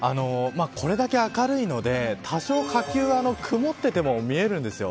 これだけ明るいので多少火球は曇っていても見えるんですよ。